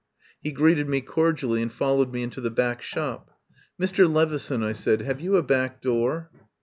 He greeted me cordially and followed me into the back shop. "Mr. Levison," I said, "have you a back door?"